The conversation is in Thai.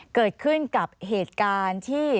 เกิดขึ้นกับเหตุการณ์ที่